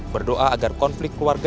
berdoa agar konflik keluarga